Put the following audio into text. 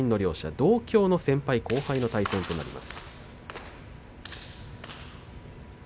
同郷の先輩後輩の対戦になります。